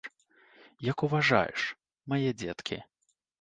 Як уважаеш, мае дзеткі.